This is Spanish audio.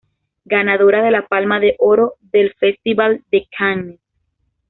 Ganadora de la Palma de Oro del Festival de Cannes.